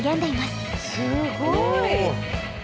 すっごい。